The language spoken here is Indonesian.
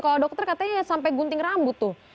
kalau dokter katanya sampai gunting rambut tuh